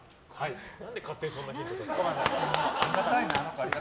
何で勝手にそんなヒント出すの？